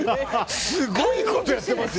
すごいことしてますよ。